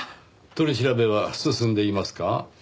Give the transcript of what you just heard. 取り調べは進んでいますか？